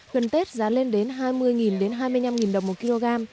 gần tết giá lên đến hai mươi hai mươi năm đồng một kg